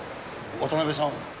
渡部さん。